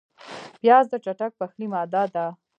پیاز د چټک پخلي ماده ده